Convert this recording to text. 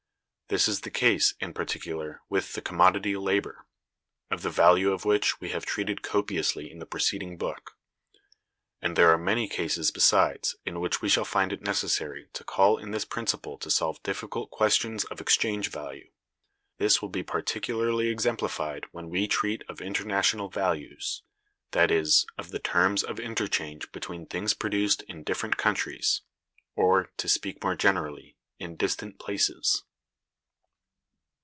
This is the case, in particular, with the commodity Labor, of the value of which we have treated copiously in the preceding book; and there are many cases besides in which we shall find it necessary to call in this principle to solve difficult questions of exchange value. This will be particularly exemplified when we treat of International Values; that is, of the terms of interchange between things produced in different countries, or, to speak more generally, in distant places.